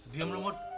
diam lu mut